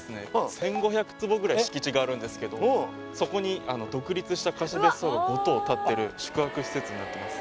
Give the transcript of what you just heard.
１５００坪ぐらい敷地があるんですけどそこに独立した貸別荘が５棟たってる宿泊施設になってます